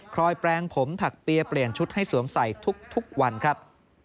แปลงผมถักเปียเปลี่ยนชุดให้สวมใส่ทุกวันครับ